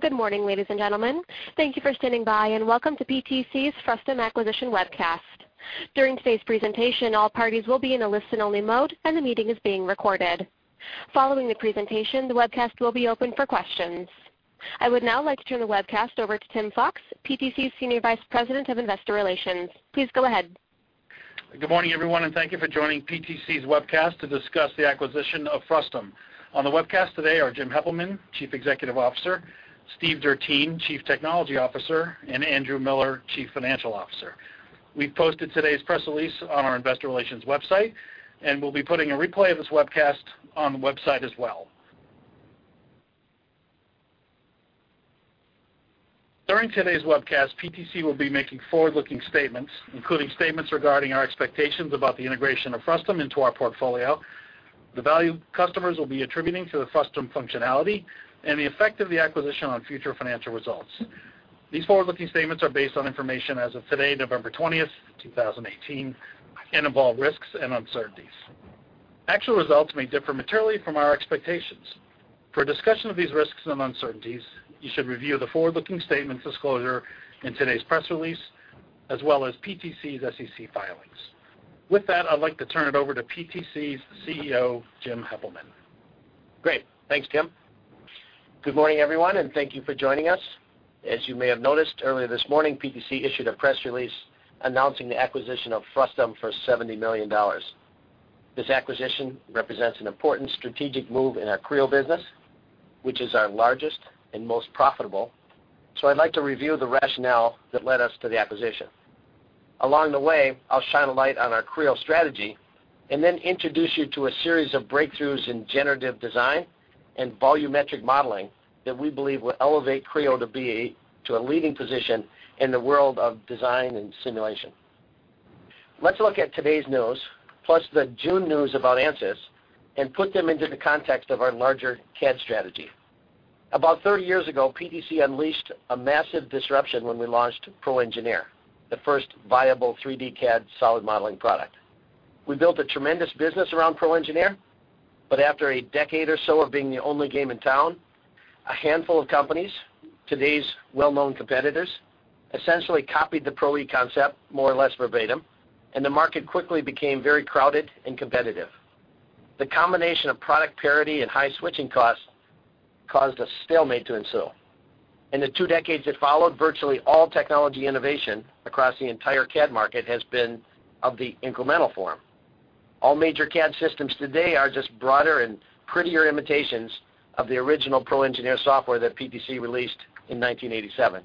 Good morning, ladies and gentlemen. Thank you for standing by, and welcome to PTC's Frustum acquisition webcast. During today's presentation, all parties will be in a listen-only mode, and the meeting is being recorded. Following the presentation, the webcast will be open for questions. I would now like to turn the webcast over to Tim Fox, PTC's Senior Vice President of Investor Relations. Please go ahead. Good morning, everyone, and thank you for joining PTC's webcast to discuss the acquisition of Frustum. On the webcast today are Jim Heppelmann, Chief Executive Officer, Steve Dertien, Chief Technology Officer, and Andrew Miller, Chief Financial Officer. We've posted today's press release on our investor relations website, and we'll be putting a replay of this webcast on the website as well. During today's webcast, PTC will be making forward-looking statements, including statements regarding our expectations about the integration of Frustum into our portfolio, the value customers will be attributing to the Frustum functionality, and the effect of the acquisition on future financial results. These forward-looking statements are based on information as of today, November 20th, 2018, and involve risks and uncertainties. Actual results may differ materially from our expectations. For a discussion of these risks and uncertainties, you should review the forward-looking statements disclosure in today's press release, as well as PTC's SEC filings. With that, I'd like to turn it over to PTC's CEO, Jim Heppelmann. Great. Thanks, Tim. Good morning, everyone, and thank you for joining us. As you may have noticed, earlier this morning, PTC issued a press release announcing the acquisition of Frustum for $70 million. This acquisition represents an important strategic move in our Creo business, which is our largest and most profitable. I'd like to review the rationale that led us to the acquisition. Along the way, I'll shine a light on our Creo strategy and then introduce you to a series of breakthroughs in generative design and volumetric modeling that we believe will elevate Creo to be a leading position in the world of design and simulation. Let's look at today's news, plus the June news about Ansys, and put them into the context of our larger CAD strategy. About 30 years ago, PTC unleashed a massive disruption when we launched Pro/ENGINEER, the first viable 3D CAD solid modeling product. We built a tremendous business around Pro/ENGINEER. After a decade or so of being the only game in town, a handful of companies, today's well-known competitors, essentially copied the Pro/E concept more or less verbatim. The market quickly became very crowded and competitive. The combination of product parity and high switching costs caused a stalemate to ensue. In the two decades that followed, virtually all technology innovation across the entire CAD market has been of the incremental form. All major CAD systems today are just broader and prettier imitations of the original Pro/ENGINEER software that PTC released in 1987.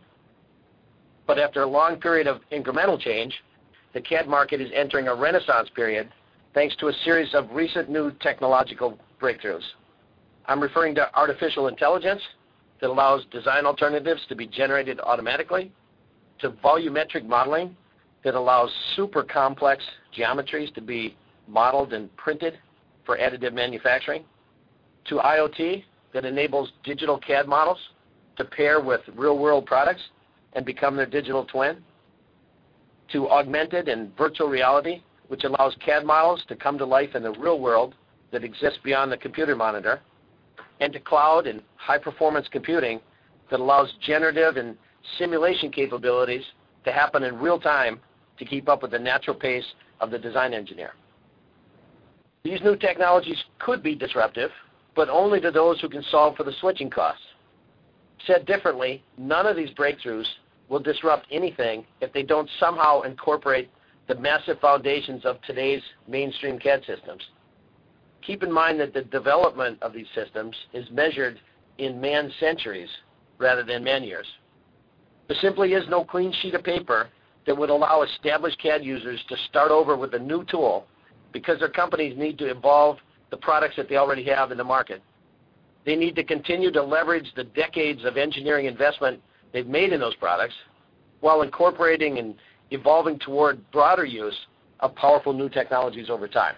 After a long period of incremental change, the CAD market is entering a renaissance period, thanks to a series of recent new technological breakthroughs. I'm referring to artificial intelligence that allows design alternatives to be generated automatically, to volumetric modeling that allows super complex geometries to be modeled and printed for additive manufacturing, to IoT that enables digital CAD models to pair with real-world products and become their digital twin, to augmented and virtual reality, which allows CAD models to come to life in the real world that exists beyond the computer monitor, and to cloud and high-performance computing that allows generative and simulation capabilities to happen in real-time to keep up with the natural pace of the design engineer. These new technologies could be disruptive, only to those who can solve for the switching costs. Said differently, none of these breakthroughs will disrupt anything if they don't somehow incorporate the massive foundations of today's mainstream CAD systems. Keep in mind that the development of these systems is measured in man-centuries rather than man-years. There simply is no clean sheet of paper that would allow established CAD users to start over with a new tool because their companies need to evolve the products that they already have in the market. They need to continue to leverage the decades of engineering investment they've made in those products while incorporating and evolving toward broader use of powerful new technologies over time.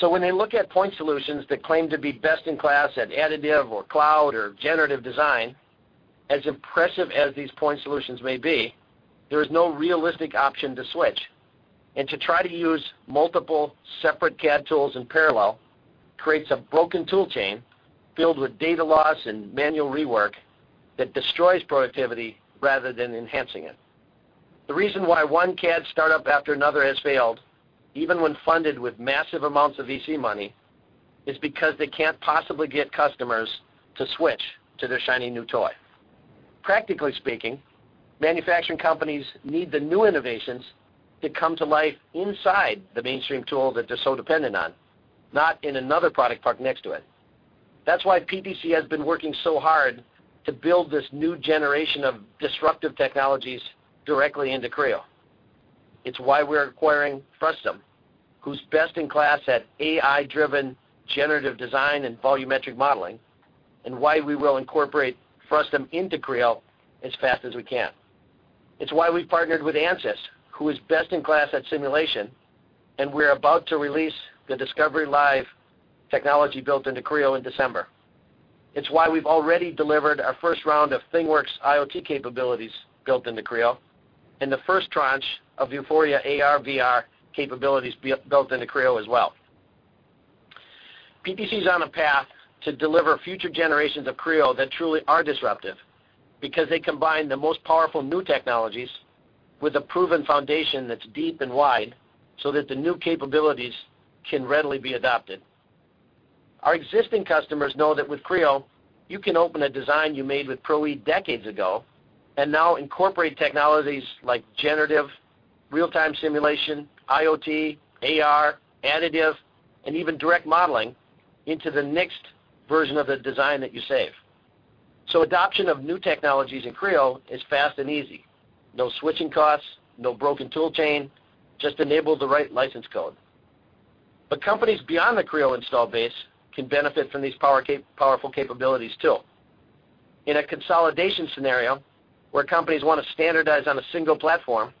When they look at point solutions that claim to be best in class at additive or cloud or generative design, as impressive as these point solutions may be, there is no realistic option to switch. To try to use multiple separate CAD tools in parallel creates a broken tool chain filled with data loss and manual rework that destroys productivity rather than enhancing it. The reason why one CAD startup after another has failed, even when funded with massive amounts of VC money, is because they can't possibly get customers to switch to their shiny new toy. Practically speaking, manufacturing companies need the new innovations to come to life inside the mainstream tool that they're so dependent on, not in another product parked next to it. That's why PTC has been working so hard to build this new generation of disruptive technologies directly into Creo. It's why we're acquiring Frustum, who's best in class at AI-driven generative design and volumetric modeling. Why we will incorporate Frustum into Creo as fast as we can. It's why we partnered with Ansys, who is best in class at simulation. We're about to release the Discovery Live technology built into Creo in December. It's why we've already delivered our first round of ThingWorx IoT capabilities built into Creo and the first tranche of Vuforia AR/VR capabilities built into Creo as well. PTC is on a path to deliver future generations of Creo that truly are disruptive because they combine the most powerful new technologies with a proven foundation that's deep and wide so that the new capabilities can readily be adopted. Our existing customers know that with Creo, you can open a design you made with Pro/E decades ago and now incorporate technologies like generative, real-time simulation, IoT, AR, additive, and even direct modeling into the next version of the design that you save. Adoption of new technologies in Creo is fast and easy. No switching costs, no broken tool chain, just enable the right license code. Companies beyond the Creo install base can benefit from these powerful capabilities, too. In a consolidation scenario where companies want to standardize on a single platform,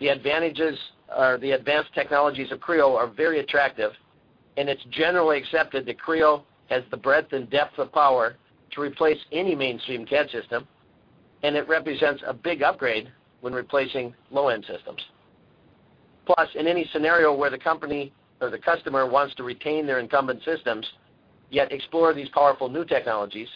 the advanced technologies of Creo are very attractive, and it's generally accepted that Creo has the breadth and depth of power to replace any mainstream CAD system, and it represents a big upgrade when replacing low-end systems. Plus, in any scenario where the company or the customer wants to retain their incumbent systems, yet explore these powerful new technologies,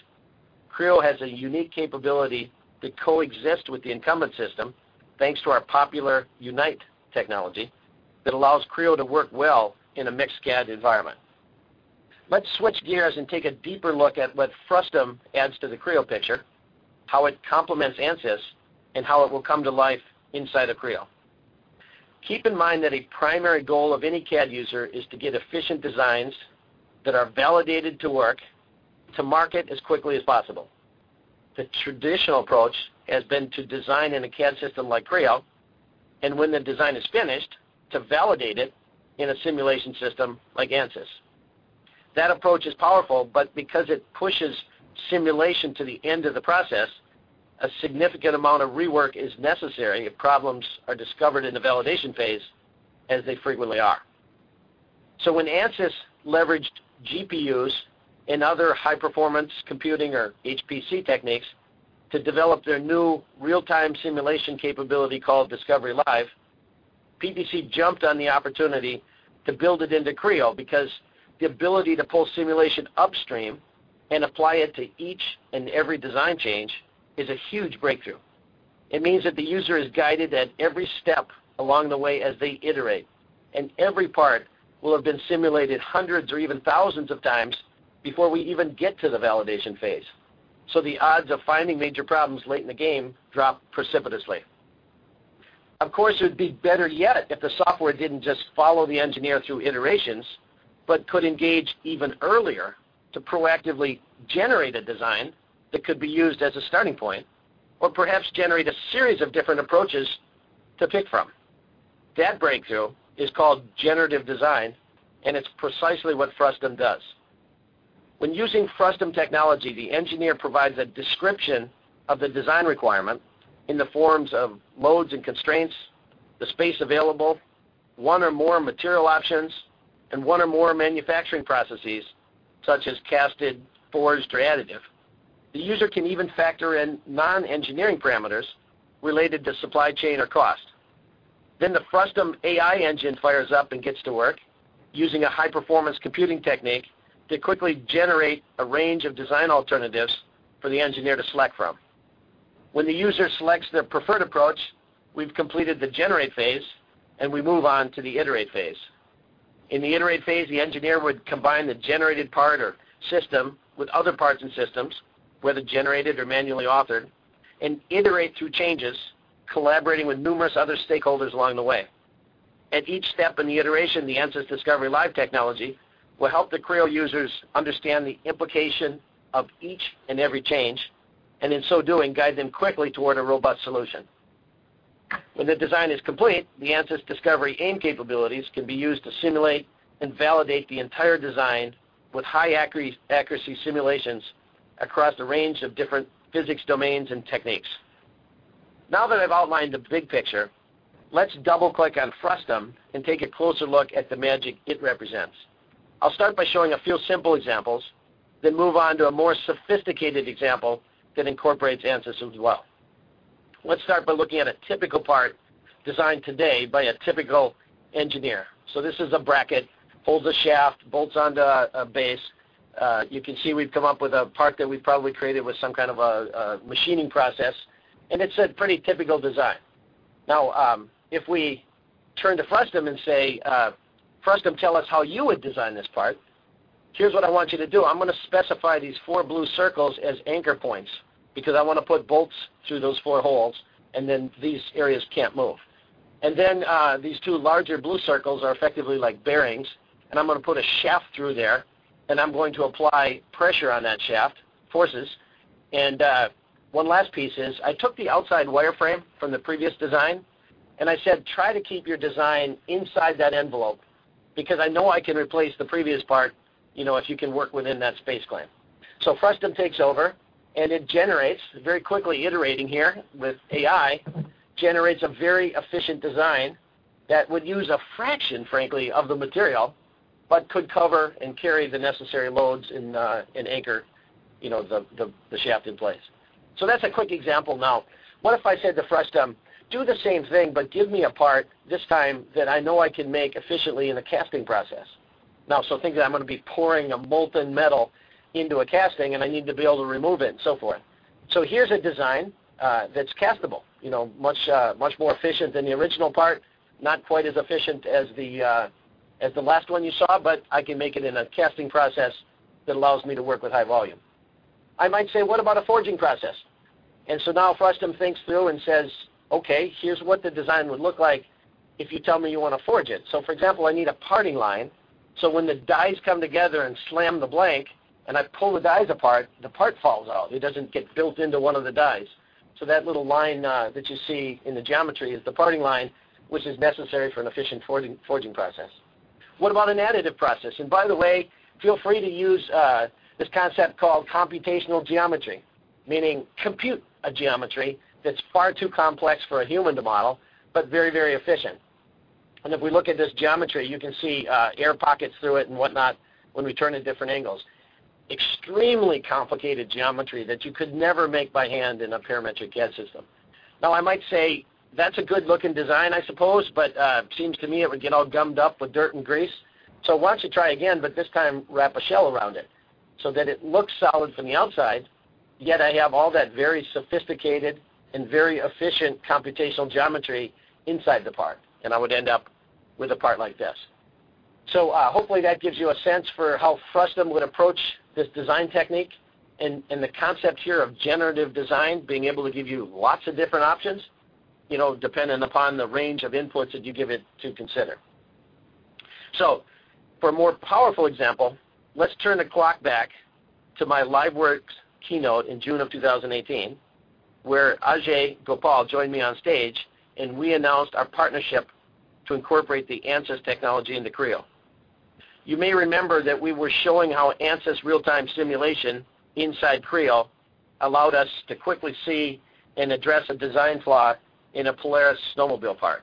Creo has a unique capability to coexist with the incumbent system, thanks to our popular Unite technology that allows Creo to work well in a mixed CAD environment. Let's switch gears and take a deeper look at what Frustum adds to the Creo picture, how it complements Ansys, and how it will come to life inside of Creo. Keep in mind that a primary goal of any CAD user is to get efficient designs that are validated to work to market as quickly as possible. The traditional approach has been to design in a CAD system like Creo, and when the design is finished, to validate it in a simulation system like Ansys. That approach is powerful, but because it pushes simulation to the end of the process, a significant amount of rework is necessary if problems are discovered in the validation phase, as they frequently are. When Ansys leveraged GPUs and other high-performance computing or HPC techniques to develop their new real-time simulation capability called Discovery Live, PTC jumped on the opportunity to build it into Creo because the ability to pull simulation upstream and apply it to each and every design change is a huge breakthrough. It means that the user is guided at every step along the way as they iterate, and every part will have been simulated hundreds or even thousands of times before we even get to the validation phase. The odds of finding major problems late in the game drop precipitously. Of course, it would be better yet if the software didn't just follow the engineer through iterations but could engage even earlier to proactively generate a design that could be used as a starting point or perhaps generate a series of different approaches to pick from. That breakthrough is called generative design, and it's precisely what Frustum does. When using Frustum technology, the engineer provides a description of the design requirement in the forms of loads and constraints, the space available, one or more material options, and one or more manufacturing processes such as casted, forged, or additive. The user can even factor in non-engineering parameters related to supply chain or cost. The Frustum AI engine fires up and gets to work using a high-performance computing technique to quickly generate a range of design alternatives for the engineer to select from. When the user selects their preferred approach, we've completed the generate phase, and we move on to the iterate phase. In the iterate phase, the engineer would combine the generated part or system with other parts and systems, whether generated or manually authored, and iterate through changes, collaborating with numerous other stakeholders along the way. At each step in the iteration, the Ansys Discovery Live technology will help the Creo users understand the implication of each and every change, and in so doing, guide them quickly toward a robust solution. When the design is complete, the Ansys Discovery AIM capabilities can be used to simulate and validate the entire design with high-accuracy simulations across a range of different physics domains and techniques. That I've outlined the big picture, let's double-click on Frustum and take a closer look at the magic it represents. I'll start by showing a few simple examples, then move on to a more sophisticated example that incorporates Ansys as well. Let's start by looking at a typical part designed today by a typical engineer. This is a bracket, holds a shaft, bolts onto a base. You can see we've come up with a part that we probably created with some kind of a machining process, and it's a pretty typical design. Now, if we turn to Frustum and say, "Frustum, tell us how you would design this part. Here's what I want you to do. I'm going to specify these four blue circles as anchor points because I want to put bolts through those four holes, and then these areas can't move." These two larger blue circles are effectively like bearings, and I'm going to put a shaft through there, and I'm going to apply pressure on that shaft, forces. One last piece is I took the outside wireframe from the previous design, and I said, "Try to keep your design inside that envelope because I know I can replace the previous part if you can work within that space clamp." Frustum takes over, and it generates very quickly iterating here with AI, generates a very efficient design that would use a fraction, frankly, of the material but could cover and carry the necessary loads and anchor the shaft in place. That's a quick example. What if I said to Frustum, "Do the same thing, but give me a part this time that I know I can make efficiently in a casting process." Think that I'm going to be pouring a molten metal into a casting, and I need to be able to remove it and so forth. Here's a design that's castable. Much more efficient than the original part, not quite as efficient as the last one you saw, but I can make it in a casting process that allows me to work with high volume. I might say, what about a forging process? Now Frustum thinks through and says, "Okay, here's what the design would look like if you tell me you want to forge it." For example, I need a parting line, so when the dies come together and slam the blank and I pull the dies apart, the part falls out. It doesn't get built into one of the dies. That little line that you see in the geometry is the parting line, which is necessary for an efficient forging process. What about an additive process? By the way, feel free to use this concept called computational geometry, meaning compute a geometry that's far too complex for a human to model, but very efficient. If we look at this geometry, you can see air pockets through it and whatnot when we turn at different angles. Extremely complicated geometry that you could never make by hand in a parametric CAD system. Now, I might say, that's a good-looking design, I suppose, but it seems to me it would get all gummed up with dirt and grease. Why don't you try again, but this time wrap a shell around it so that it looks solid from the outside, yet I have all that very sophisticated and very efficient computational geometry inside the part. I would end up with a part like this. Hopefully that gives you a sense for how Frustum would approach this design technique and the concept here of generative design being able to give you lots of different options, depending upon the range of inputs that you give it to consider. For a more powerful example, let's turn the clock back to my LiveWorx keynote in June of 2018, where Ajei Gopal joined me on stage and we announced our partnership to incorporate the Ansys technology into Creo. You may remember that we were showing how Ansys real-time simulation inside Creo allowed us to quickly see and address a design flaw in a Polaris snowmobile part.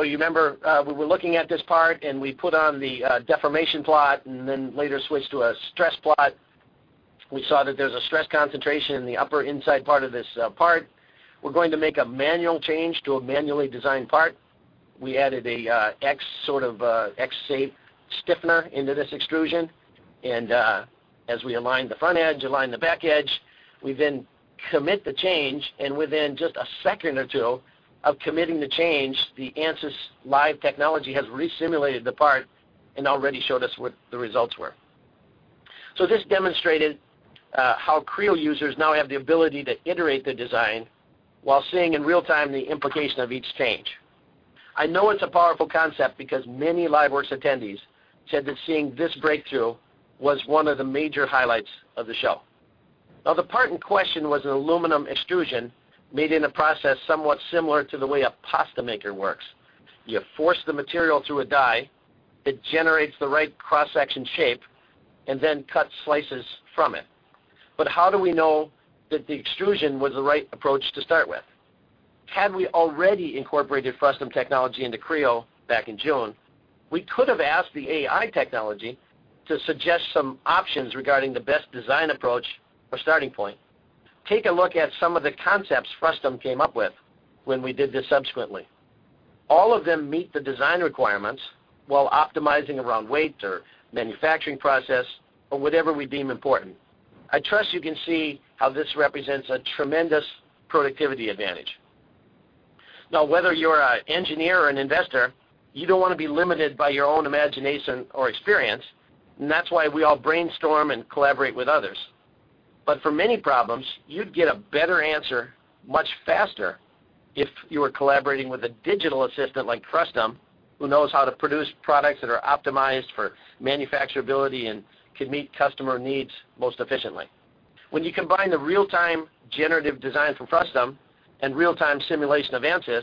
You remember, we were looking at this part, we put on the deformation plot then later switched to a stress plot. We saw that there's a stress concentration in the upper inside part of this part. We're going to make a manual change to a manually designed part. We added a sort of X-shape stiffener into this extrusion. As we align the front edge, align the back edge, we then commit the change, within just a second or two of committing the change, the Ansys live technology has resimulated the part and already showed us what the results were. This demonstrated how Creo users now have the ability to iterate the design while seeing in real time the implication of each change. I know it's a powerful concept because many LiveWorx attendees said that seeing this breakthrough was one of the major highlights of the show. The part in question was an aluminum extrusion made in a process somewhat similar to the way a pasta maker works. You force the material through a die, it generates the right cross-section shape, then cut slices from it. How do we know that the extrusion was the right approach to start with? Had we already incorporated Frustum technology into Creo back in June, we could have asked the AI technology to suggest some options regarding the best design approach or starting point. Take a look at some of the concepts Frustum came up with when we did this subsequently. All of them meet the design requirements while optimizing around weight or manufacturing process or whatever we deem important. I trust you can see how this represents a tremendous productivity advantage. Whether you're an engineer or an investor, you don't want to be limited by your own imagination or experience, and that's why we all brainstorm and collaborate with others. For many problems, you'd get a better answer much faster if you were collaborating with a digital assistant like Frustum, who knows how to produce products that are optimized for manufacturability and can meet customer needs most efficiently. When you combine the real-time generative design from Frustum and real-time simulation of Ansys,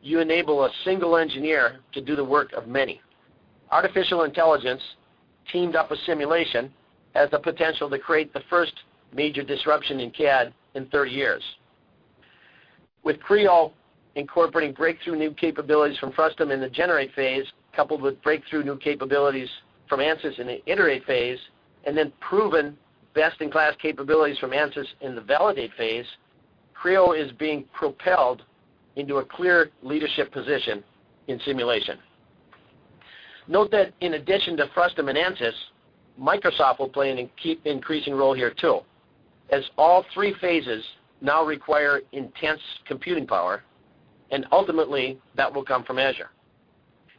you enable a single engineer to do the work of many. Artificial intelligence teamed up with simulation has the potential to create the first major disruption in CAD in 30 years. With Creo incorporating breakthrough new capabilities from Frustum in the generate phase, coupled with breakthrough new capabilities from Ansys in the iterate phase, proven best-in-class capabilities from Ansys in the validate phase, Creo is being propelled into a clear leadership position in simulation. Note that in addition to Frustum and Ansys, Microsoft will play an increasing role here too, as all three phases now require intense computing power, and ultimately that will come from Azure.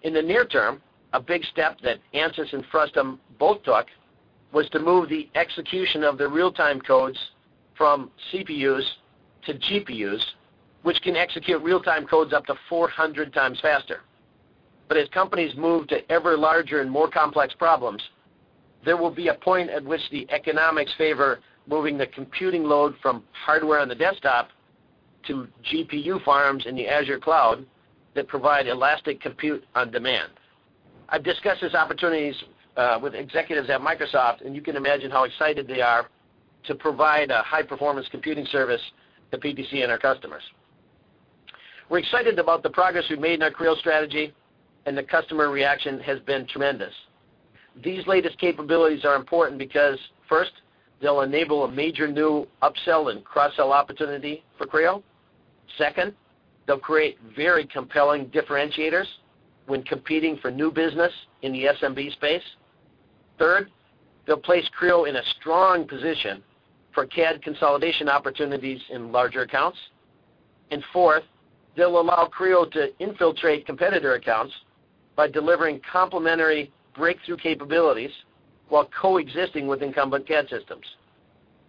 In the near term, a big step that Ansys and Frustum both took was to move the execution of the real-time codes from CPUs to GPUs, which can execute real-time codes up to 400 times faster. As companies move to ever larger and more complex problems, there will be a point at which the economics favor moving the computing load from hardware on the desktop to GPU farms in the Azure cloud that provide elastic compute on demand. I've discussed these opportunities with executives at Microsoft, and you can imagine how excited they are to provide a high-performance computing service to PTC and our customers. We're excited about the progress we've made in our Creo strategy, and the customer reaction has been tremendous. These latest capabilities are important because first, they'll enable a major new upsell and cross-sell opportunity for Creo. Second, they'll create very compelling differentiators when competing for new business in the SMB space. Third, they'll place Creo in a strong position for CAD consolidation opportunities in larger accounts. Fourth, they'll allow Creo to infiltrate competitor accounts by delivering complementary breakthrough capabilities while coexisting with incumbent CAD systems.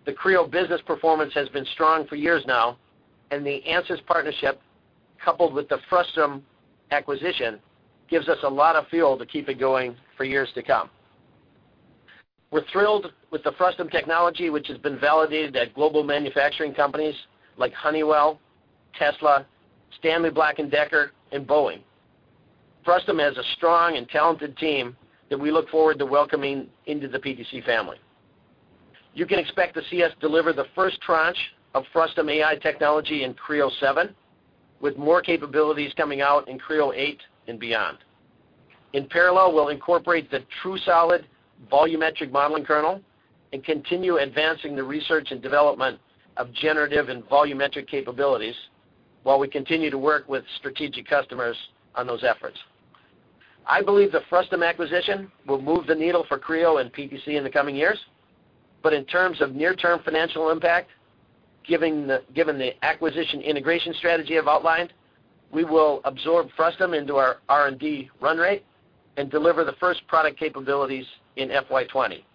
The Creo business performance has been strong for years now, and the Ansys partnership, coupled with the Frustum acquisition, gives us a lot of fuel to keep it going for years to come. We're thrilled with the Frustum technology, which has been validated at global manufacturing companies like Honeywell, Tesla, Stanley Black & Decker, and Boeing. Frustum has a strong and talented team that we look forward to welcoming into the PTC family. You can expect to see us deliver the first tranche of Frustum AI technology in Creo 7, with more capabilities coming out in Creo 8 and beyond. In parallel, we'll incorporate the TrueSOLID volumetric modeling kernel and continue advancing the research and development of generative and volumetric capabilities while we continue to work with strategic customers on those efforts. I believe the Frustum acquisition will move the needle for Creo and PTC in the coming years. In terms of near-term financial impact, given the acquisition integration strategy I've outlined, we will absorb Frustum into our R&D run rate and deliver the first product capabilities in FY 2020.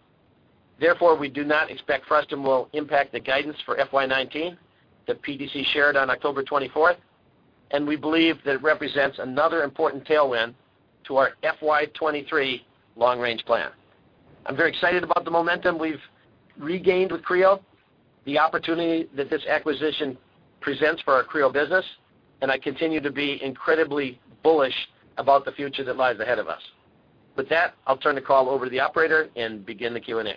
We do not expect Frustum will impact the guidance for FY 2019 that PTC shared on October 24th, and we believe that it represents another important tailwind to our FY 2023 long-range plan. I'm very excited about the momentum we've regained with Creo, the opportunity that this acquisition presents for our Creo business, and I continue to be incredibly bullish about the future that lies ahead of us. With that, I'll turn the call over to the operator and begin the Q&A.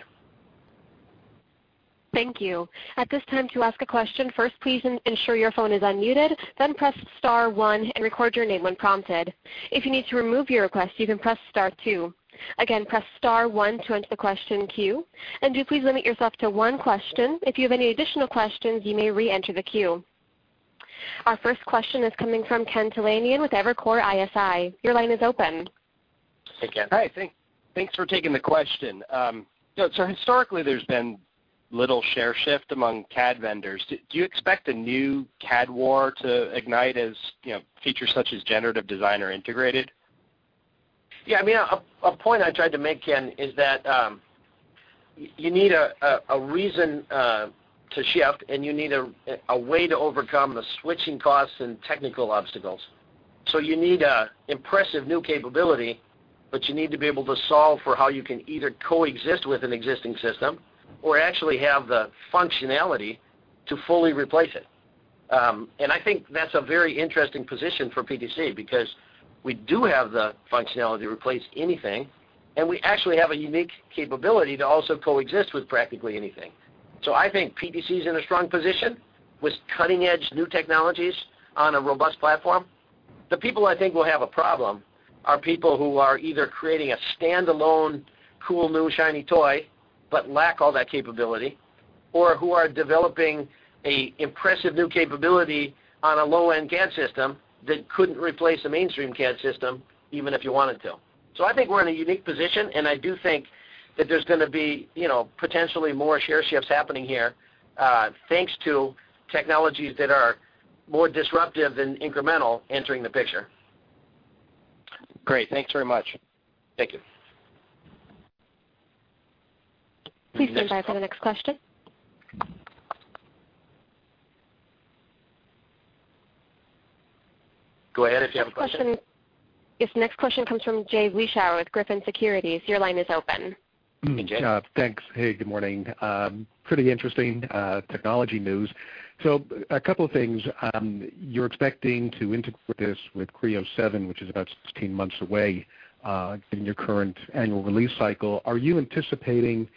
Thank you. At this time to ask a question, first, please ensure your phone is unmuted, then press star one and record your name when prompted. If you need to remove your request, you can press star two. Again, press star one to enter the question queue, and do please limit yourself to one question. If you have any additional questions, you may re-enter the queue. Our first question is coming from Ken Talanian with Evercore ISI. Your line is open. Hey, Ken. Hi. Thanks for taking the question. Historically, there's been little share shift among CAD vendors. Do you expect a new CAD war to ignite as features such as generative design are integrated? A point I tried to make, Ken, is that you need a reason to shift, and you need a way to overcome the switching costs and technical obstacles. You need a impressive new capability, but you need to be able to solve for how you can either coexist with an existing system or actually have the functionality to fully replace it. I think that's a very interesting position for PTC because we do have the functionality to replace anything, and we actually have a unique capability to also coexist with practically anything. I think PTC is in a strong position with cutting-edge new technologies on a robust platform. The people I think will have a problem are people who are either creating a standalone, cool, new, shiny toy but lack all that capability, or who are developing a impressive new capability on a low-end CAD system that couldn't replace a mainstream CAD system even if you wanted to. I think we're in a unique position, and I do think that there's going to be potentially more share shifts happening here, thanks to technologies that are more disruptive than incremental entering the picture. Great. Thanks very much. Thank you. Please stand by for the next question. Go ahead if you have a question. Yes, the next question comes from Jay Vleeschhouwer with Griffin Securities. Your line is open. Hey, Jay. Thanks. Hey, good morning. Pretty interesting technology news. A couple of things. You're expecting to integrate this with Creo 7.0, which is about 16 months away in your current annual release cycle. Are you anticipating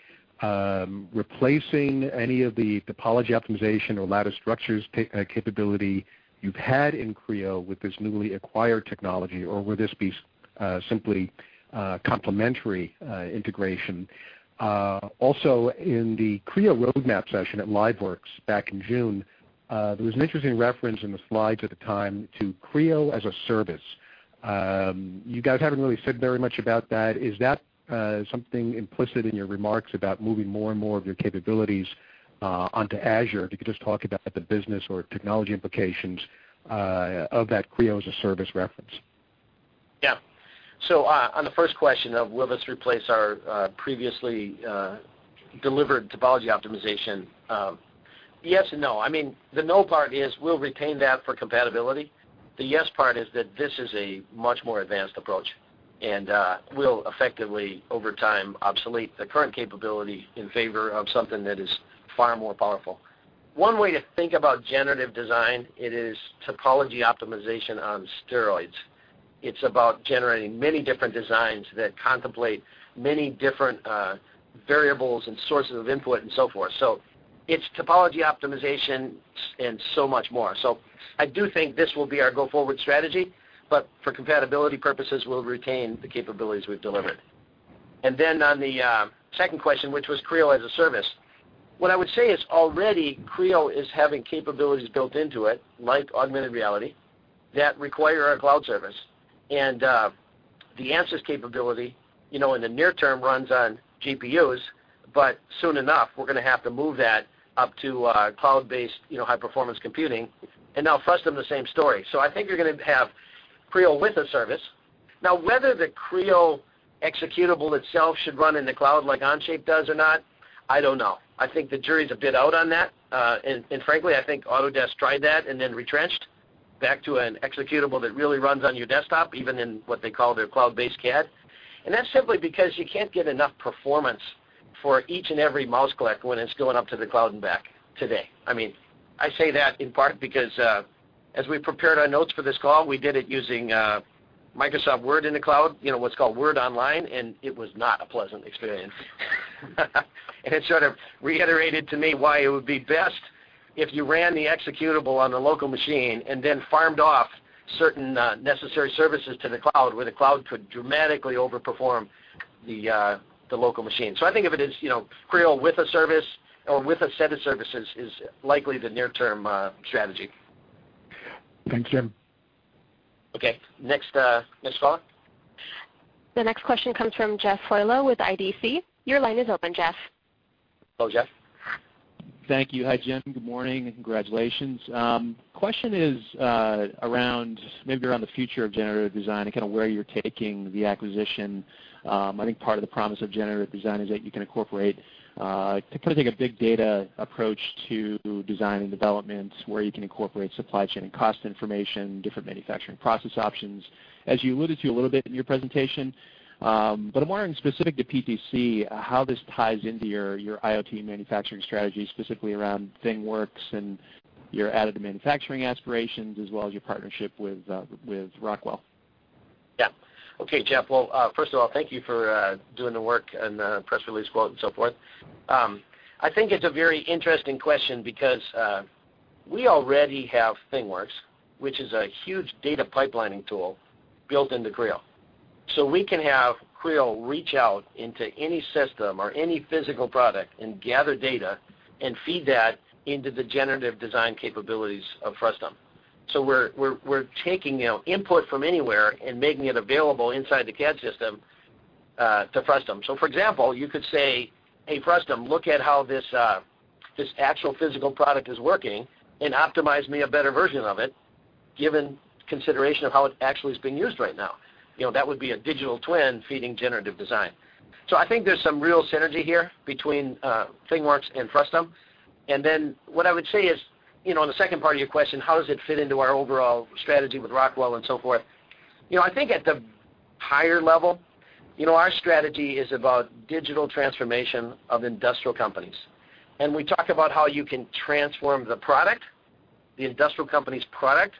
replacing any of the topology optimization or lattice structures capability you've had in Creo with this newly acquired technology, or will this be simply complementary integration? Also, in the Creo roadmap session at LiveWorx back in June, there was an interesting reference in the slides at the time to Creo as a service. You guys haven't really said very much about that. Is that something implicit in your remarks about moving more and more of your capabilities onto Azure? If you could just talk about the business or technology implications of that Creo as a service reference. Yeah. On the first question of will this replace our previously delivered topology optimization, yes and no. The no part is we'll retain that for compatibility. The yes part is that this is a much more advanced approach and will effectively, over time, obsolete the current capability in favor of something that is far more powerful. One way to think about generative design, it is topology optimization on steroids. It's about generating many different designs that contemplate many different variables and sources of input and so forth. It's topology optimization and so much more. I do think this will be our go-forward strategy, but for compatibility purposes, we'll retain the capabilities we've delivered. Then on the second question, which was Creo as a service, what I would say is already Creo is having capabilities built into it, like augmented reality, that require our cloud service. The Ansys capability, in the near term, runs on GPUs, but soon enough, we're going to have to move that up to cloud-based high-performance computing, and now Frustum the same story. I think you're going to have Creo with a service. Now, whether the Creo executable itself should run in the cloud like Onshape does or not, I don't know. I think the jury's a bit out on that. Frankly, I think Autodesk tried that and then retrenched back to an executable that really runs on your desktop, even in what they call their cloud-based CAD. That's simply because you can't get enough performance for each and every mouse click when it's going up to the cloud and back today. I say that in part because, as we prepared our notes for this call, we did it using Microsoft Word in the cloud, what's called Word Online, and it was not a pleasant experience. It sort of reiterated to me why it would be best if you ran the executable on the local machine and then farmed off certain necessary services to the cloud, where the cloud could dramatically over-perform the local machine. I think of it as Creo with a service or with a set of services is likely the near-term strategy. Thank you. Okay. Next caller. The next question comes from Jeff Hojlo with IDC. Your line is open, Jeff. Hello, Jeff. Thank you. Hi, Jim. Good morning, and congratulations. Question is around the future of generative design and kind of where you're taking the acquisition. I think part of the promise of generative design is that you can incorporate a big data approach to design and development, where you can incorporate supply chain and cost information, different manufacturing process options, as you alluded to a little bit in your presentation. I'm wondering specific to PTC, how this ties into your IoT and manufacturing strategy, specifically around ThingWorx and your additive manufacturing aspirations, as well as your partnership with Rockwell. Jeff, well, first of all, thank you for doing the work and the press release quote and so forth. I think it's a very interesting question because we already have ThingWorx, which is a huge data pipelining tool built into Creo. We can have Creo reach out into any system or any physical product and gather data and feed that into the generative design capabilities of Frustum. We're taking input from anywhere and making it available inside the CAD system to Frustum. For example, you could say, "Hey, Frustum, look at how this actual physical product is working and optimize me a better version of it, given consideration of how it actually is being used right now." That would be a digital twin feeding generative design. I think there's some real synergy here between ThingWorx and Frustum. What I would say is, on the second part of your question, how does it fit into our overall strategy with Rockwell and so forth? I think at the higher level, our strategy is about digital transformation of industrial companies. We talk about how you can transform the product, the industrial company's product.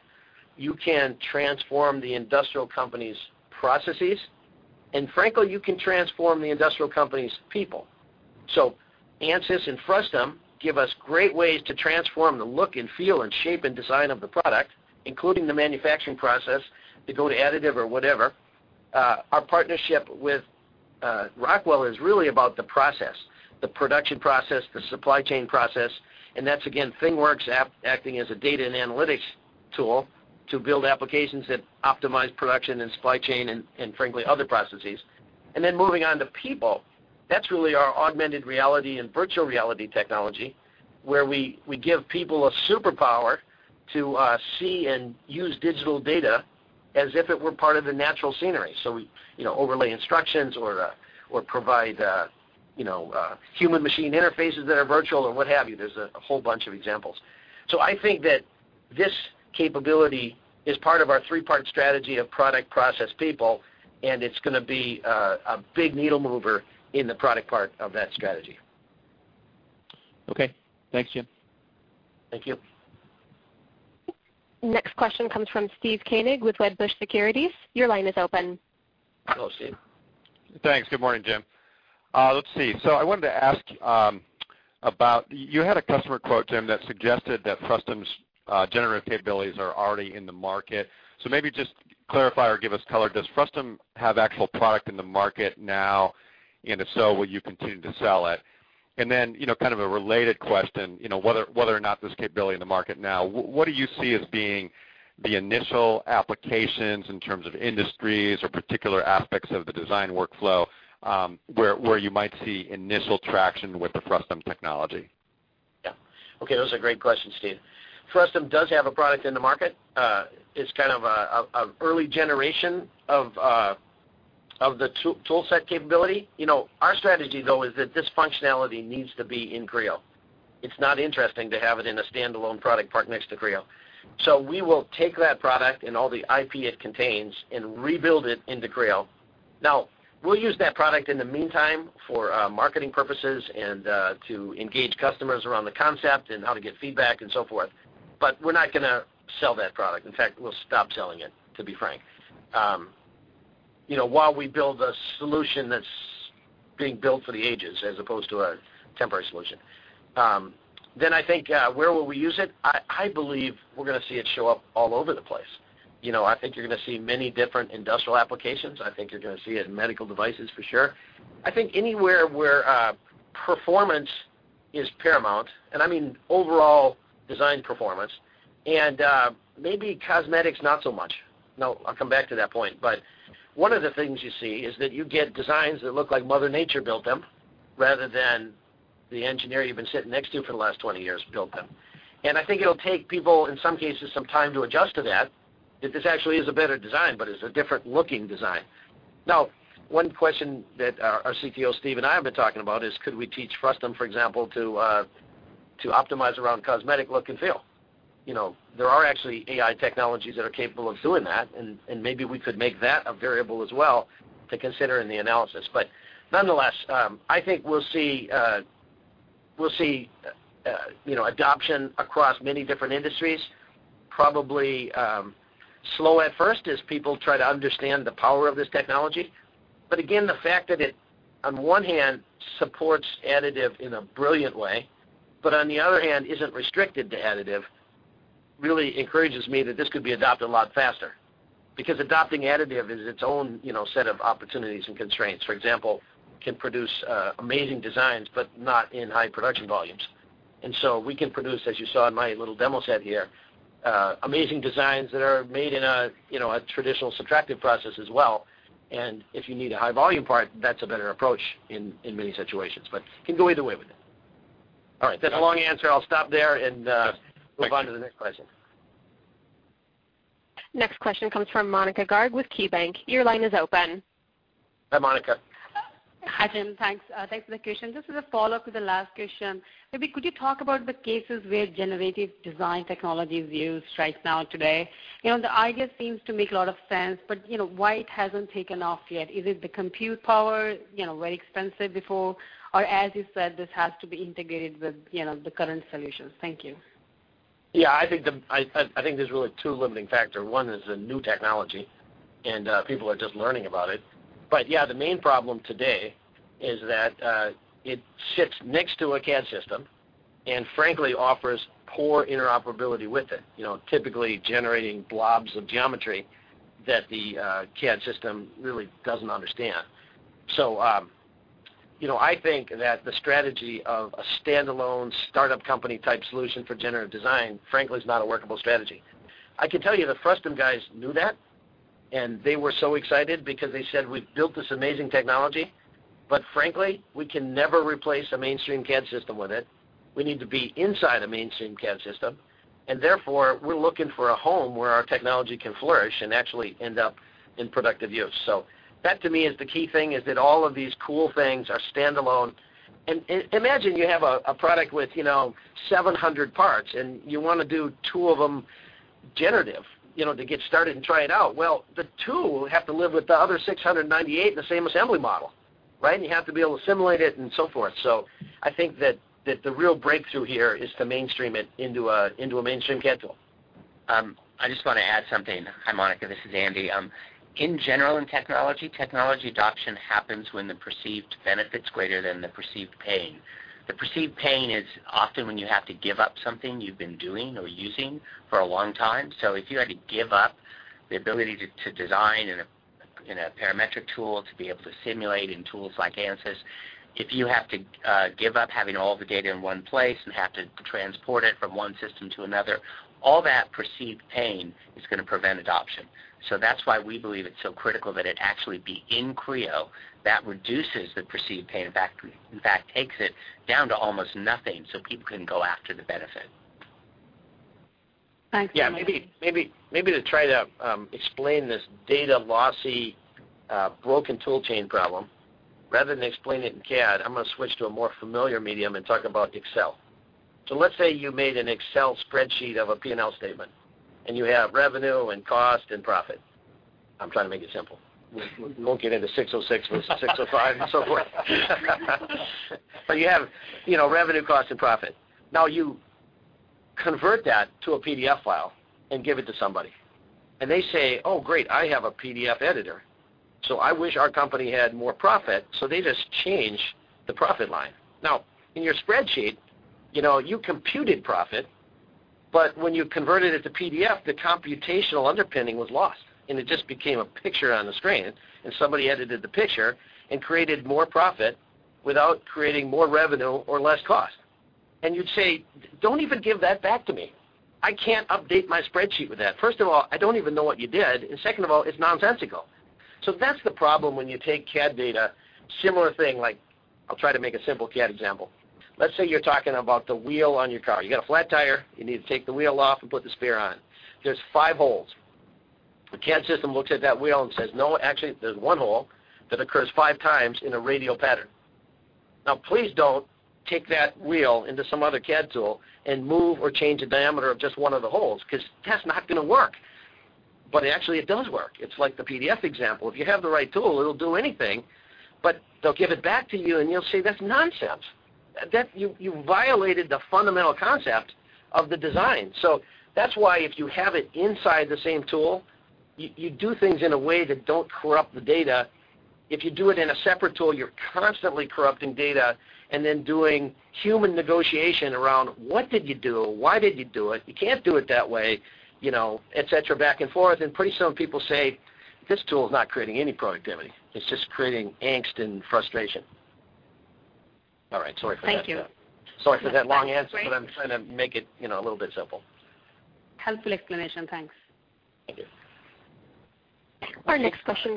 You can transform the industrial company's processes, and frankly, you can transform the industrial company's people. Ansys and Frustum give us great ways to transform the look and feel and shape and design of the product, including the manufacturing process to go to additive or whatever. Our partnership with Rockwell is really about the process, the production process, the supply chain process, and that's, again, ThingWorx acting as a data and analytics tool to build applications that optimize production and supply chain and frankly, other processes. Moving on to people. That's really our augmented reality and virtual reality technology, where we give people a superpower to see and use digital data as if it were part of the natural scenery. We overlay instructions or provide human-machine interfaces that are virtual or what have you. There's a whole bunch of examples. I think that this capability is part of our three-part strategy of product, process, people, and it's going to be a big needle mover in the product part of that strategy. Okay. Thanks, Jim. Thank you. Next question comes from Steve Koenig with Wedbush Securities. Your line is open. Hello, Steve. Thanks. Good morning, Jim. Let's see. I wanted to ask about You had a customer quote, Jim, that suggested that Frustum's generative capabilities are already in the market. Maybe just clarify or give us color. Does Frustum have actual product in the market now? If so, will you continue to sell it? Kind of a related question, whether or not there's capability in the market now, what do you see as being the initial applications in terms of industries or particular aspects of the design workflow, where you might see initial traction with the Frustum technology? Yeah. Okay. Those are great questions, Steve. Frustum does have a product in the market. It's kind of an early generation of the tool set capability. Our strategy, though, is that this functionality needs to be in Creo. It's not interesting to have it in a standalone product parked next to Creo. We will take that product and all the IP it contains and rebuild it into Creo. Now, we'll use that product in the meantime for marketing purposes and to engage customers around the concept and how to get feedback and so forth. We're not going to sell that product. In fact, we'll stop selling it, to be frank, while we build a solution that's being built for the ages as opposed to a temporary solution. I think, where will we use it? I believe we're going to see it show up all over the place. I think you're going to see many different industrial applications. I think you're going to see it in medical devices for sure. I think anywhere where performance is paramount, I mean overall design performance, and maybe cosmetics not so much. Now, I'll come back to that point. One of the things you see is that you get designs that look like Mother Nature built them rather than the engineer you've been sitting next to for the last 20 years built them. I think it'll take people, in some cases, some time to adjust to that this actually is a better design, but it's a different-looking design. Now, one question that our CTO, Steve, and I have been talking about is could we teach Frustum, for example, to optimize around cosmetic look and feel? There are actually AI technologies that are capable of doing that, and maybe we could make that a variable as well to consider in the analysis. Nonetheless, I think we'll see adoption across many different industries. Probably slow at first as people try to understand the power of this technology. Again, the fact that it, on one hand, supports additive in a brilliant way, but on the other hand, isn't restricted to additive, really encourages me that this could be adopted a lot faster. Because adopting additive is its own set of opportunities and constraints. For example, can produce amazing designs, but not in high production volumes. We can produce, as you saw in my little demo set here, amazing designs that are made in a traditional subtractive process as well. If you need a high volume part, that's a better approach in many situations. You can go either way with it. All right. That's a long answer. I'll stop there and move on to the next question. Next question comes from Monika Garg with KeyBanc. Your line is open. Hi, Monika. Hi, Jim. Thanks for the question. Just as a follow-up to the last question, maybe could you talk about the cases where generative design technology is used right now today? The idea seems to make a lot of sense, but why it hasn't taken off yet? Is it the compute power, very expensive before? Or as you said, this has to be integrated with the current solutions? Thank you. I think there's really two limiting factors. One is the new technology, and people are just learning about it. The main problem today is that it sits next to a CAD system, and frankly offers poor interoperability with it, typically generating blobs of geometry that the CAD system really doesn't understand. I think that the strategy of a standalone startup company type solution for generative design, frankly, is not a workable strategy. I can tell you the Frustum guys knew that, and they were so excited because they said, "We've built this amazing technology, but frankly, we can never replace a mainstream CAD system with it. We need to be inside a mainstream CAD system, and therefore, we're looking for a home where our technology can flourish and actually end up in productive use." That, to me, is the key thing, is that all of these cool things are standalone. Imagine you have a product with 700 parts, and you want to do two of them generative, to get started and try it out. The two have to live with the other 698 in the same assembly model, right? You have to be able to simulate it and so forth. I think that the real breakthrough here is to mainstream it into a mainstream CAD tool. I just want to add something. Hi, Monika. This is Andy. In general in technology adoption happens when the perceived benefit's greater than the perceived pain. The perceived pain is often when you have to give up something you've been doing or using for a long time. If you had to give up the ability to design in a parametric tool, to be able to simulate in tools like Ansys, if you have to give up having all the data in one place and have to transport it from one system to another, all that perceived pain is going to prevent adoption. That's why we believe it's so critical that it actually be in Creo. That reduces the perceived pain. In fact, takes it down to almost nothing so people can go after the benefit. Thanks. Maybe to try to explain this data lossy broken tool chain problem, rather than explain it in CAD, I'm going to switch to a more familiar medium and talk about Excel. Let's say you made an Excel spreadsheet of a P&L statement, and you have revenue and cost and profit. I'm trying to make it simple. We won't get into 606 versus 605 and so forth. You have revenue, cost, and profit. You convert that to a PDF file and give it to somebody, and they say, "Oh, great, I have a PDF editor, I wish our company had more profit." They just change the profit line. In your spreadsheet, you computed profit, but when you converted it to PDF, the computational underpinning was lost, and it just became a picture on the screen, and somebody edited the picture and created more profit without creating more revenue or less cost. You'd say, "Don't even give that back to me. I can't update my spreadsheet with that. First of all, I don't even know what you did, and second of all, it's nonsensical." That's the problem when you take CAD data. Similar thing, like I'll try to make a simple CAD example. Let's say you're talking about the wheel on your car. You got a flat tire, you need to take the wheel off and put the spare on. There's five holes. The CAD system looks at that wheel and says, "No, actually, there's one hole that occurs five times in a radial pattern." Please don't take that wheel into some other CAD tool and move or change the diameter of just one of the holes, because that's not going to work. Actually it does work. It's like the PDF example. If you have the right tool, it'll do anything, but they'll give it back to you, and you'll say, "That's nonsense." You violated the fundamental concept of the design. That's why if you have it inside the same tool, you do things in a way that don't corrupt the data. If you do it in a separate tool, you're constantly corrupting data and then doing human negotiation around, what did you do? Why did you do it? You can't do it that way, et cetera, back and forth. Pretty soon people say, "This tool's not creating any productivity. It's just creating angst and frustration." All right. Sorry for that. Thank you. Sorry for that long answer. That's great. I'm trying to make it a little bit simple. Helpful explanation, thanks. Thank you. Next question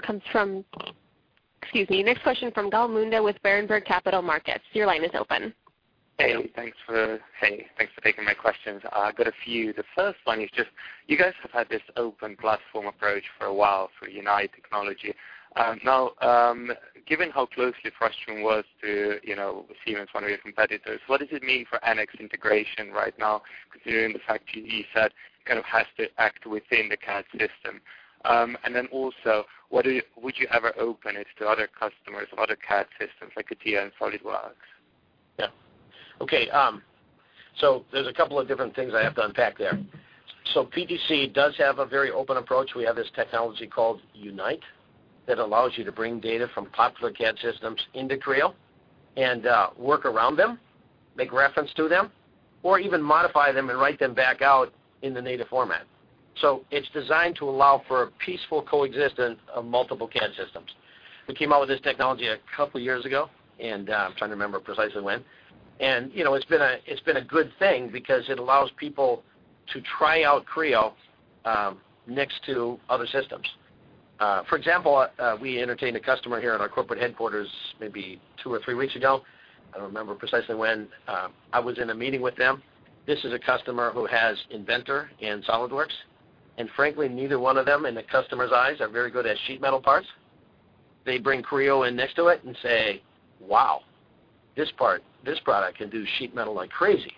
from Gal Munda with Berenberg Capital Markets. Hey, thanks for taking my questions. I've got a few. The first one is just, you guys have had this open platform approach for a while through Unite technology. Given how closely Frustum was to Siemens, one of your competitors, what does it mean for NX integration right now, considering the fact GD said kind of has to act within the CAD system? Would you ever open it to other customers, other CAD systems, like a Dassault SOLIDWORKS? Yeah. Okay. There's a couple of different things I have to unpack there. PTC does have a very open approach. We have this technology called Unite that allows you to bring data from popular CAD systems into Creo and work around them, make reference to them, or even modify them and write them back out in the native format. It's designed to allow for a peaceful coexistence of multiple CAD systems. We came out with this technology a couple of years ago, and I'm trying to remember precisely when. It's been a good thing because it allows people to try out Creo, next to other systems. For example, we entertained a customer here at our corporate headquarters maybe two or three weeks ago. I don't remember precisely when. I was in a meeting with them. This is a customer who has Inventor and SOLIDWORKS. Frankly, neither one of them, in the customer's eyes, are very good at sheet metal parts. They bring Creo in next to it and say, "Wow, this product can do sheet metal like crazy."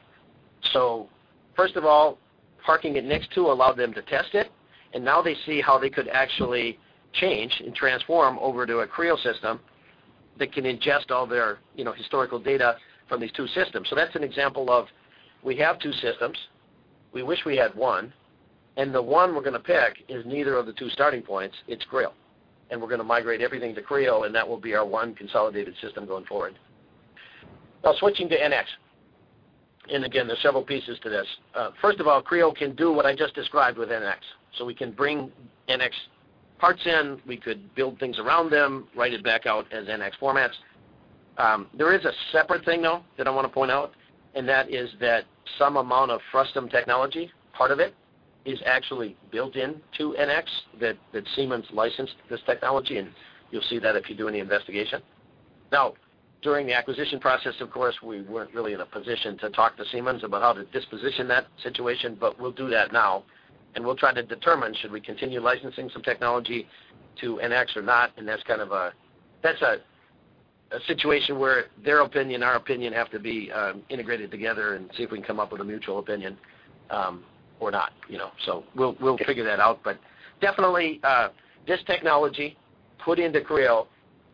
First of all, parking it next to allowed them to test it, and now they see how they could actually change and transform over to a Creo system that can ingest all their historical data from these two systems. That's an example of we have two systems. We wish we had one, and the one we're going to pick is neither of the two starting points. It's Creo. We're going to migrate everything to Creo, and that will be our one consolidated system going forward. Switching to NX, again, there's several pieces to this. First of all, Creo can do what I just described with NX. We can bring NX parts in, we could build things around them, write it back out as NX formats. There is a separate thing, though, that I want to point out, and that is that some amount of Frustum technology, part of it, is actually built into NX. Siemens licensed this technology, and you'll see that if you do any investigation. During the acquisition process, of course, we weren't really in a position to talk to Siemens about how to disposition that situation, but we'll do that now, and we'll try to determine should we continue licensing some technology to NX or not. That's a situation where their opinion, our opinion, have to be integrated together and see if we can come up with a mutual opinion, or not. We'll figure that out. Definitely, this technology put into Creo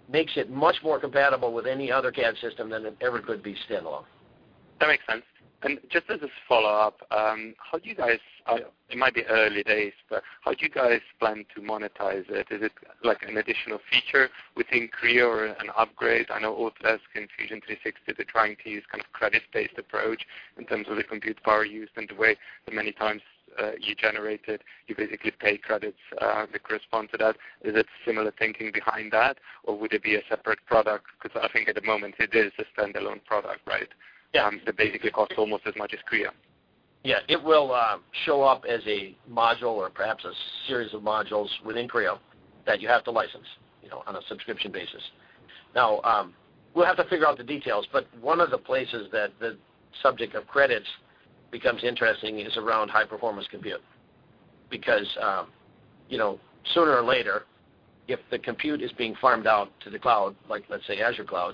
makes it much more compatible with any other CAD system than it ever could be standalone. That makes sense. Just as a follow-up, how do you guys, it might be early days, but how do you guys plan to monetize it? Is it like an additional feature within Creo or an upgrade? I know Autodesk and Fusion 360 are trying to use kind of credit-based approach in terms of the compute power used and the way the many times you generate it, you basically pay credits, that correspond to that. Is it similar thinking behind that, or would it be a separate product? I think at the moment it is a standalone product, right? Yeah. That basically costs almost as much as Creo. Yeah. It will show up as a module or perhaps a series of modules within Creo that you have to license on a subscription basis. Now, we'll have to figure out the details, but one of the places that the subject of credits becomes interesting is around high-performance compute. Because, sooner or later, if the compute is being farmed out to the cloud, like let's say Azure cloud,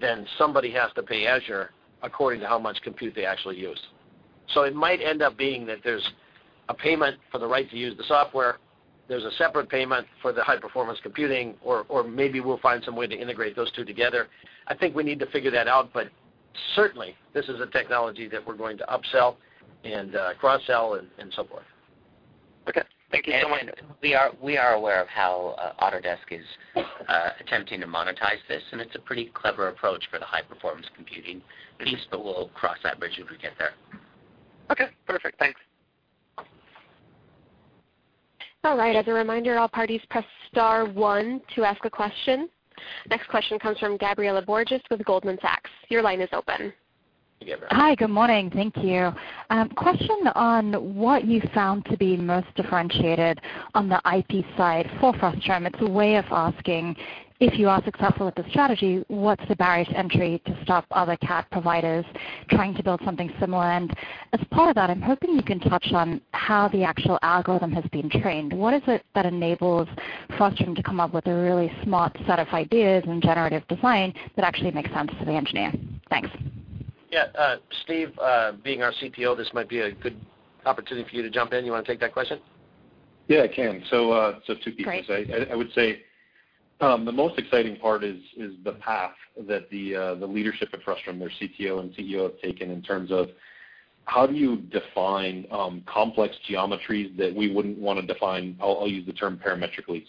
then somebody has to pay Azure according to how much compute they actually use. It might end up being that there's a payment for the right to use the software, there's a separate payment for the high-performance computing, or maybe we'll find some way to integrate those two together. I think we need to figure that out, but certainly, this is a technology that we're going to upsell and cross-sell and so forth. Okay. Thank you so much. We are aware of how Autodesk is attempting to monetize this, and it's a pretty clever approach for the high-performance computing piece, but we'll cross that bridge when we get there. Okay, perfect. Thanks. All right. As a reminder, all parties press star one to ask a question. Next question comes from Gabriela Borges with Goldman Sachs. Your line is open. Gabriela. Hi, good morning. Thank you. Question on what you found to be most differentiated on the IP side for Frustum. It's a way of asking if you are successful with the strategy, what's the barrier to entry to stop other CAD providers trying to build something similar? As part of that, I'm hoping you can touch on how the actual algorithm has been trained. What is it that enables Frustum to come up with a really smart set of ideas and generative design that actually makes sense for the engineer? Thanks. Yeah. Steve, being our CTO, this might be a good opportunity for you to jump in. You want to take that question? Yeah, I can. Two pieces. Great. I would say the most exciting part is the path that the leadership at Frustum, their CTO and CEO, have taken in terms of how do you define complex geometries that we wouldn't want to define, I'll use the term parametrically,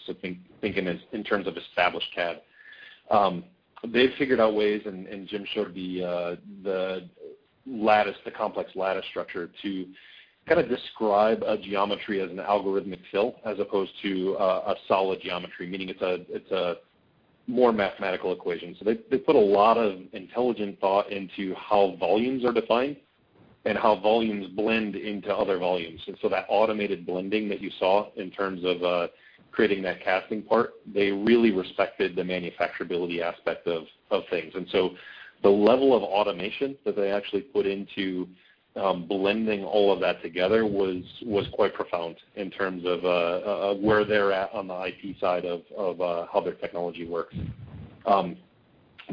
thinking in terms of established CAD. They've figured out ways, and Jim showed the complex lattice structure, to kind of describe a geometry as an algorithmic fill as opposed to a solid geometry, meaning it's a more mathematical equation. They put a lot of intelligent thought into how volumes are defined and how volumes blend into other volumes. That automated blending that you saw in terms of creating that casting part, they really respected the manufacturability aspect of things. The level of automation that they actually put into blending all of that together was quite profound in terms of where they're at on the IP side of how their technology works.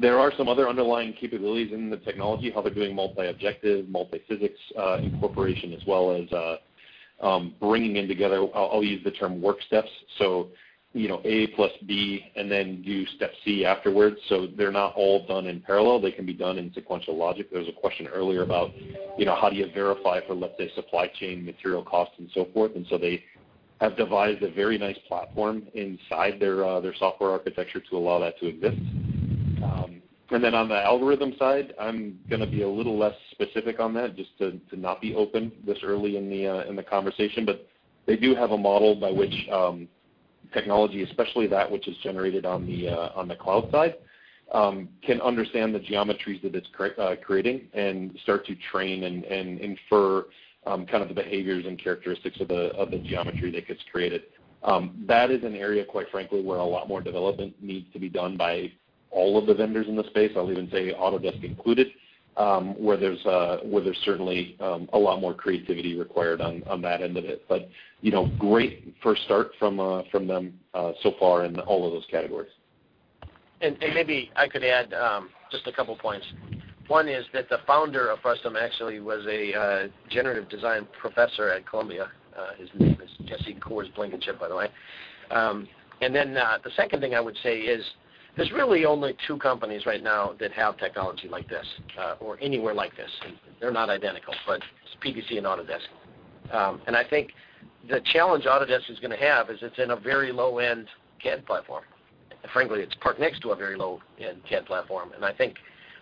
There are some other underlying capabilities in the technology, how they're doing multi-objective, multi-physics incorporation, as well as bringing in together, I'll use the term work steps. A plus B, and then do step C afterwards. They're not all done in parallel. They can be done in sequential logic. There was a question earlier about how do you verify for, let's say, supply chain material costs and so forth. They have devised a very nice platform inside their software architecture to allow that to exist. On the algorithm side, I'm going to be a little less specific on that, just to not be open this early in the conversation. They do have a model by which technology, especially that which is generated on the cloud side, can understand the geometries that it's creating and start to train and infer kind of the behaviors and characteristics of the geometry that gets created. That is an area, quite frankly, where a lot more development needs to be done by all of the vendors in the space, I'll even say Autodesk included, where there's certainly a lot more creativity required on that end of it. Great first start from them so far in all of those categories. Maybe I could add just a couple points. One is that the founder of Frustum actually was a generative design professor at Columbia. His name is Jesse Coors-Blankenship, by the way. Then the second thing I would say is there's really only two companies right now that have technology like this or anywhere like this. They're not identical, but it's PTC and Autodesk. I think the challenge Autodesk is going to have is it's in a very low-end CAD platform. Frankly, it's parked next to a very low-end CAD platform, and I think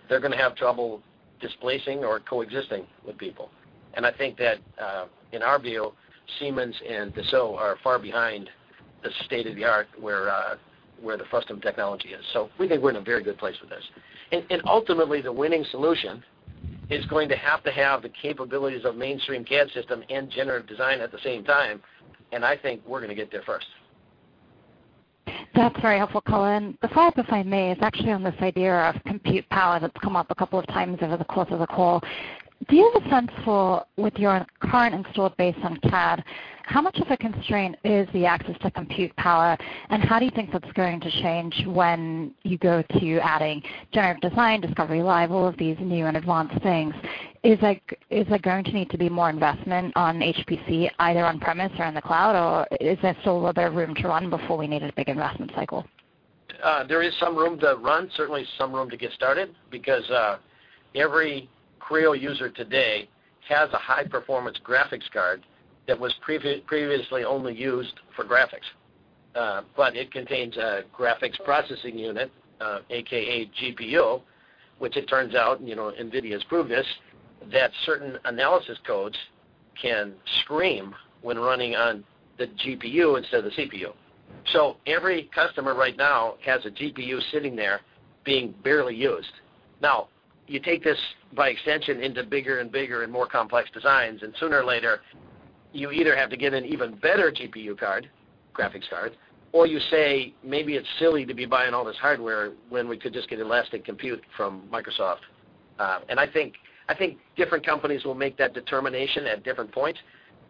they're going to have trouble displacing or coexisting with people. I think that, in our view, Siemens and Dassault are far behind the state of the art where the Frustum technology is. We think we're in a very good place with this. Ultimately, the winning solution is going to have to have the capabilities of mainstream CAD system and generative design at the same time, I think we're going to get there first. That's very helpful, Colin. The follow-up, if I may, is actually on this idea of compute power that's come up a couple of times over the course of the call. Do you have a sense for, with your current installed base on CAD, how much of a constraint is the access to compute power, and how do you think that's going to change when you go to adding generative design, Discovery Live, all of these new and advanced things? Is there going to need to be more investment on HPC, either on-premise or in the cloud, or is there still a bit of room to run before we need a big investment cycle? There is some room to run, certainly some room to get started, because every Creo user today has a high-performance graphics card that was previously only used for graphics. It contains a graphics processing unit, AKA GPU, which it turns out, NVIDIA's proved this, that certain analysis codes can scream when running on the GPU instead of the CPU. Every customer right now has a GPU sitting there being barely used. You take this by extension into bigger and bigger and more complex designs, sooner or later, you either have to get an even better GPU card, graphics card, or you say, "Maybe it's silly to be buying all this hardware when we could just get elastic compute from Microsoft." I think different companies will make that determination at different points.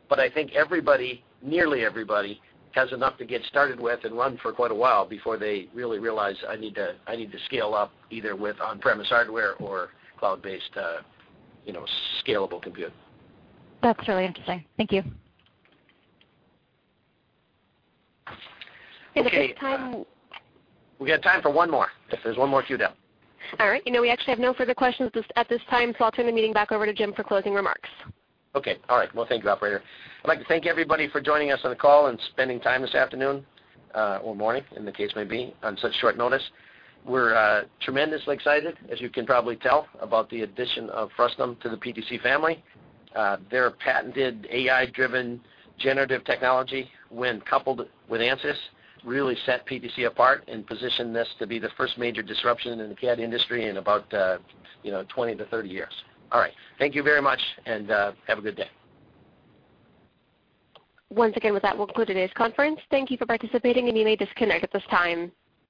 I think everybody, nearly everybody, has enough to get started with and run for quite a while before they really realize, I need to scale up either with on-premise hardware or cloud-based scalable compute. That's really interesting. Thank you. Okay. Is there time? We got time for one more, if there's one more queued up. All right. We actually have no further questions at this time. I'll turn the meeting back over to Jim for closing remarks. Okay. All right. Well, thank you, operator. I'd like to thank everybody for joining us on the call and spending time this afternoon, or morning, in the case may be, on such short notice. We're tremendously excited, as you can probably tell, about the addition of Frustum to the PTC family. Their patented AI-driven generative technology, when coupled with Ansys, really set PTC apart and positioned this to be the first major disruption in the CAD industry in about 20 to 30 years. All right. Thank you very much, and have a good day. Once again, with that, we'll conclude today's conference. Thank you for participating, and you may disconnect at this time.